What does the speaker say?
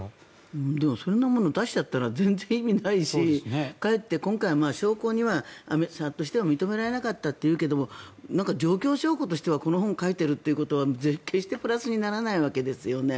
でも、そんなもの出しちゃったら全然意味ないしかえって今回は証拠としては認められなかったというけど状況証拠としてはこの本を書いているということは決してプラスにならないわけですよね。